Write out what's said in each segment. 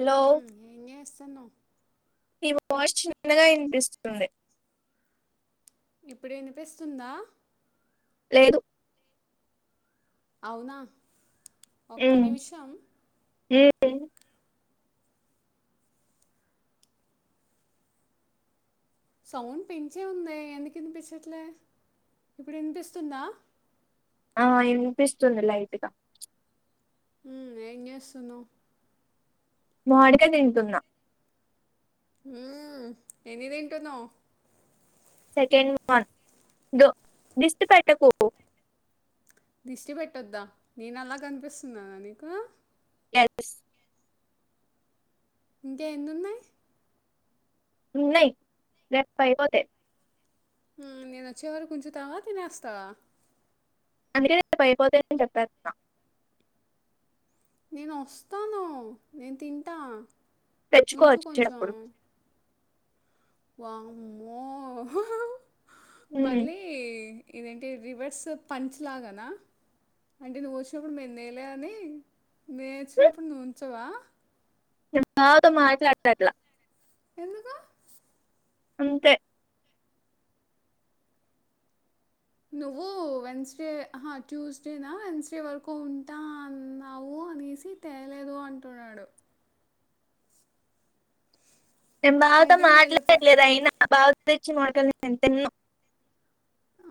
Hello మ్మ్. ఏం చేస్తాన్నవ్? నీ వాయిస్ చిన్నగా వినిపిస్తుంది ఇప్పుడు వినిపిస్తుందా? లేదు అవునా! ఒక్క నిమిషం. అ సౌండ్ పెంచే ఉందే. ఎందుకు ఇనిపించట్ల ఇప్పుడు వినిపిస్తుందా? ఆ ఇనిపిస్తుంది లైట్గా ఉ ఏం చేస్తున్నావ్ మోడీకాయ తింటున్నా హూ ఎన్ని తింటున్నావ్ సెకండ్ వన్ దో దిష్టి పెట్టకు దిష్టి పెట్టొద్దా నేను అలా కనిపిస్తున్నానా నీకు ఎస్ ఇంకా ఎన్ని ఉన్నాయి ఉన్నాయి రేపుతో అయిపోతాయి నేను వచ్చే వరకు ఉంచుతావా తినేస్తావా [inaudible] నేను వస్తాను నేను తింటా ఉంచు కొంచెం [unintelligible] వామ్మో ఉమ్ మళ్ళీ ఇదేంటే రివర్స్ పంచ్ లాగానా అంటే నువ్వు వచ్చినప్పుడు మేము తేలేదని మేము వచ్చినప్పుడు నువ్వు ఉంచవా [unintelligible] ఎందుకు అంతే నువ్వు వెన్స్డే ట్యూస్డేనా వెన్స్డే వరకు ఉంటా అన్నావు అనేసి తేలేదు అంటున్నాడు నేను బావతో వెంటనే వెళ్ళిపోయి మాట్లాడలేదు అయినా బావ తెచ్చిన మామిడికాయలు నేను తినను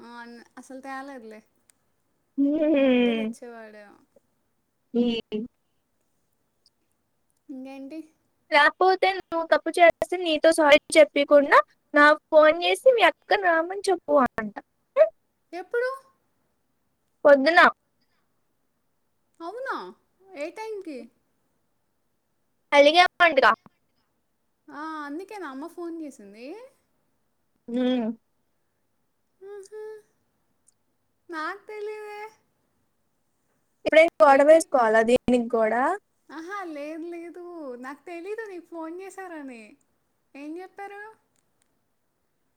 ఆ అన్ అసలు తేలేదులే నువ్వుంటే ఉమ్ తెచ్చేవాడేమో [unintelligible] ఇంకేంటి కాకపోతే నువ్వు తప్పు చేస్తే నీతో సారీ చెప్పియకుండా నా ఫోన్ చేసి మీ అక్కని రామ్మని చెప్పు అంట ఎప్పుడు పొద్దున అవునా ఏ టైమ్కి అలిగావంటగా ఆ అందుకేనా అమ్మ ఫోన్ చేసింది ఉ ఉహు నాకు తెలిదే ఇప్పుడు ఏంది గోడవేసుకోవాలా దినికి కూడా ఆహా లేదు లేదు నాకు తెలీదు నీకు ఫోన్ చేసారని ఏం చెప్పారు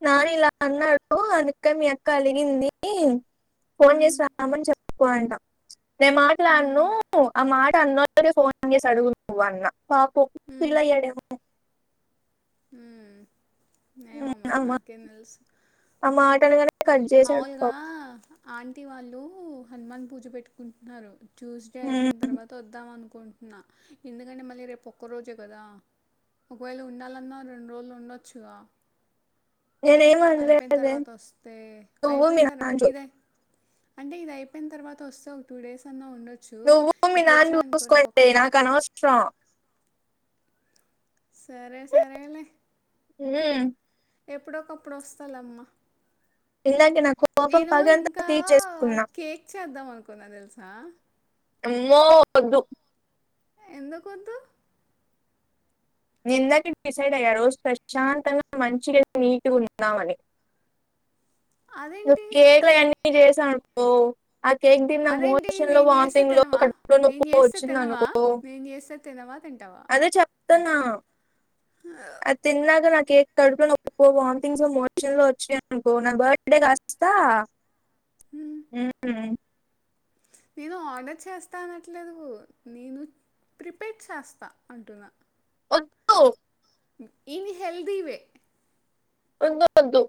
నాని ఇలా అన్నాడు అందుకని మీ అక్క అలిగింది ఫోన్ హ్మ్. చేసి రామ్మని చెప్పుకోంట నేను హ్మ్. మాట్లాడను ఆ మాట హ్మ్. [unintelligible] ఉ ఏమో "ఉమ్, అమ్మ నాకేం తెలుసు ఆ మాట అనగానే కట్ చేశాడు మాములుగా పాప ఆంటీ వాళ్ళు హనుమాన్ పూజ పెట్టుకుంటున్నారు ట్యూస్డే "ఉమ్, అయిపోయిన తర్వాత వద్దామనుకుంటున్నాను ఎందుకంటే మళ్ళీ రేపు ఒక్కరోజే కదా ఒకవేళ ఉండాలన్నా రెండు రోజులు ఉండొచ్చుగా నేనేం అయిపోయిన అనలేదే తర్వాత వస్తే నువ్వు మీ అయిపోయిన తర్వా నాన్న ఇదే అంటే ఇది అయిపోయిన తర్వాత వస్తే ఒక టూ డేస్ అన్నా ఉండొచ్చు నువ్వు మీ ఇప్పుడు నాన్న వచ్చాయనుకో రేపు చూసుకోండి ఒకరోజు నాకు అనవసరం సరే సరేలే ఉమ్, ఎప్పుడొకప్పుడు వస్తాలేమ్మ ఇలాగే నా కోపం పగంతా తీర్చేసుకున్న కున్న తెలుసా అమ్మో వద్దు. ఎందుకు వద్దు. నేను ఇందాకే డిసైడ్ అయ్యా రోజు ప్రశాంతంగా మంచిగా నీటిగా ఉందామని. నువ్వు అదేంటి కేకులు అయన్ని చేసావనుకో ఆ కేక్ దిని నా అదేంటి మోషన్ లో నేను చేస్తే వాంతింగ్ లో తినవా కడుపులో నేను నొప్పొ చేస్తే వచ్చింది తినవా అనుకో నేను చేస్తే తినవా తింటావా అదే అది చెప్తున్నా అది తిన్నాకా నా కేక్ కడుపులో నొప్పో వాంతింగ్సో మోషన్ లో వచ్చినయి అనుకో నా బర్త్ డే కాస్తా ఆ ఉహ్ ఉ నేను ఆర్డర్ చేస్తా అనట్లేదు. నేను ప్రిపేర్ చేస్తా అంటున్నా. ఓ ద్దు ఇవి హెల్ది వే అంత [inaudible]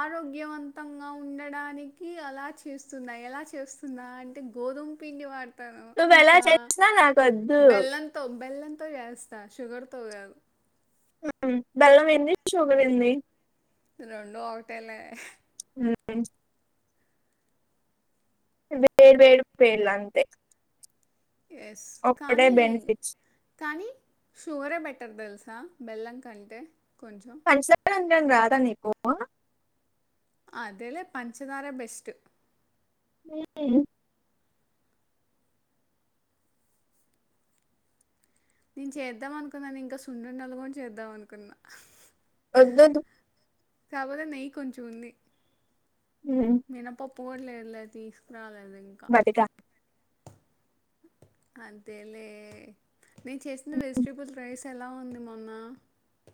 ఆరోగ్యవంతంగా ఉండడానికి అలా చేస్తున్నా ఎలా చేస్తున్నా అంటే గు గోదుమ్ పిండి వా నువ్వు ఎలా చేసినా నాకు వద్దు. బెల్లంతో బెల్లంతో చేస్తా షుగర్తో కాదు. ఆహ్ బెల్లం ఏంది షుగర్ ఏంది రొండు ఒకటేలే హుహ్ వేర్ వేర్ పేర్లు అంతే. ఎస్ ఒకటే కానీ బెనిఫిట్స్ కానీ షుగరే బెటర్ తెలుసు సా బెల్లం కంటే కొంచెం పంచదార అనడం రాదా నీకు. అదేలే పంచదారె బెస్ట్. హుహ్ నేను చేద్దాం అనుకున్నాను ఇంకా సున్నుండలు కూడ చేద్దాం అనుకున్నా. అద్దద్దు. కాకపోతే నెయ్యి కొంచెం ఉంది. ఉమ్, మినపప్పు కూడ లేదులే తీసుకురాలే. బటికా అంతేలే నేను చేసిన వెజిటేబుల్ రైస్ ఎలా ఉంది మొన్నా.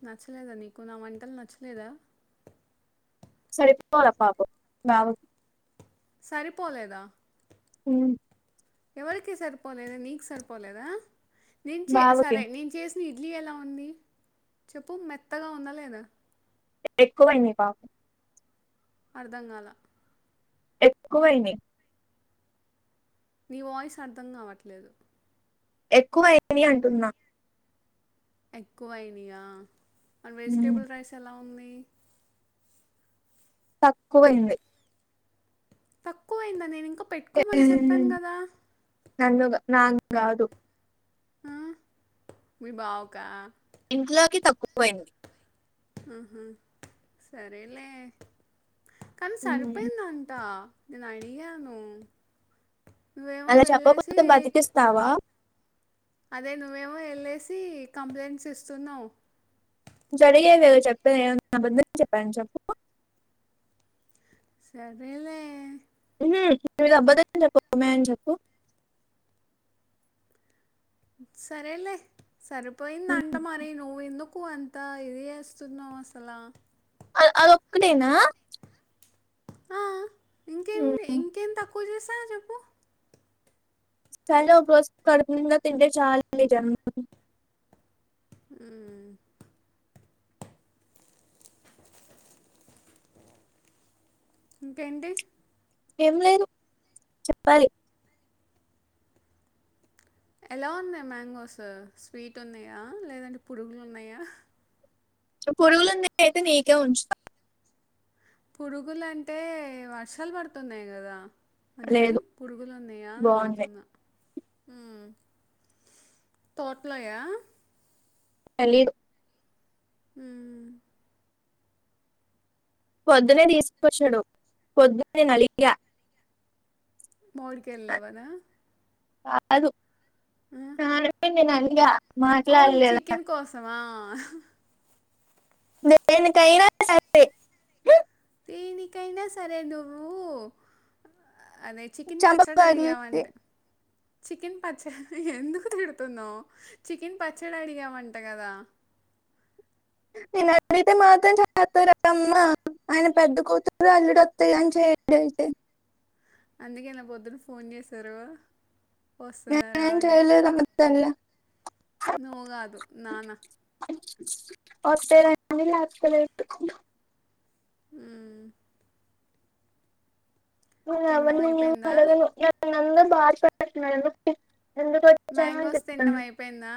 నచ్చలేదా నీకు నా వంటలు నచ్చలేదా. సరిపోలా పాపం నా సరిపోలేదా హు ఎవరికి సరిపోలేదా నీకు సరిపోలేదా నేను బావకి సరే నేను చేసి న ఇడ్లీ ఎలా ఉంది చెప్పు మెత్తగా ఉందా లేదా. ఎక్కువైంది బా అర్ధం కాల ఎక్కువైనయి నీ వాయిస్ అర్థం కావట్లేదు. ఎక్కువ అయినయి అంటున్నా. ఎక్కువ అయినయా అండ్ ఉమ్, వెజిటేబుల్ రైస్ ఎలా ఉంది. తక్కువైంది. తక్కువ అయిందా నేను ఇంకా పెట్టుకోమని చెప్పాను ఉమ్, కదా. నన్ను గా నాకు గాదు. ఆ మీ బావకా ఇంట్లోకి తక్కువపోయింది ఆహ సరేలే కానీ ఉమ్, సరిపోయింది అంట నేను అడిగాను నువ్వేమో అలా వెళ్ళేసి చెప్పకపోతే బతికిస్తావా అదే నువ్వేమో వెళ్ళేసి కంప్లైంట్స్ ఇస్తున్నావు జరిగేదే కదా చెప్పేడి నేను ఏమన్నా అబద్దం చెప్పాన చెప్పు సరే లే హ్మ్ నేను అబ్బడం చెప్పిన చెప్పు సరే అలేే సరిపోయిదంటా మరి ను ఎందు క్కు అంతా ఇది చేస్తున్నావ్ అసలు అ అదొక్కటేనా ఆ, ఇంకేం ఇంకేమి తక్కువ చేసా చెప్పు సరే [unintelligible] రోజు కడుపునిండా తింటే చాలు ఈ జన్మకి హ్మ్ ఇంకేంటి ఏం లేదు చెప్పాలి ఎలా ఉన్నాయి మ్యాంగోస్ స్వీట్ ఉన్నాయా లేదంటే పురుగులు ఉన్నాయా పొరుగులూన్నయు అయితే నీకే ఉంచుతా పురుగులాంటే వర్షాలు పడుతున్నాయి కదా అందుకని లేదు పురుగులు ఉన్నాయా అని బాగుంది అడుగుతున్నా తోట్లయా తెలీదు హ్మ్ పొద్దునే తీసుకొచ్చాడు పొద్దునేనలిగా మోడికే వెళ్ళవానా కాదు [unintelligible] అవును మాట్లాడలేదా చికెన్ కోసమా దేనికైనా సరే దేనికైనా సరే నువ్వు అదే చికెన్ చంప పచ్చడి పగిలింది అడిగవంట చికెన్ పచ్చడి ఎందుకు తిడుతున్నాం చికెన్ పచ్చడి అడిగామంట కదా నేను అడిగితే మాత్రం చేస్తారా అమ్మా ఆయన పెద్ద కూతురు అల్లుడు వస్తె గాని చెయడు అందుకేనా పొద్దున ఫోన్ చేశారూ నేనేం చెయ్యలేదు [unintelligible] నువ్ కాదు నానా వస్తె రండి లేకపోతే లేదు హ్మ్ నేను తినడం ఎవర్ని ఏం అయిపోయిందా అడగను [unintelligible] వచ్చాను అని మ్యాంగోస్ తిండం చెప్తున్నాను అయిపోయిందా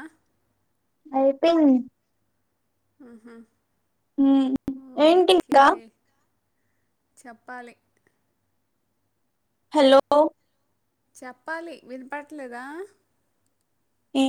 అయిపోయింది ఆహా హ్మ్ ఏంటి ఇంకా చెప్పాలి హలో చెప్పాలి వినపట్లేదా ఏ